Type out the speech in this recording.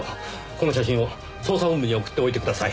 この写真を捜査本部に送っておいてください。